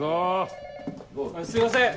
すいません！